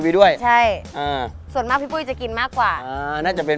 ไปด้วยใช่อ่าส่วนมากพี่ปุ้ยจะกินมากกว่าอ่าน่าจะเป็น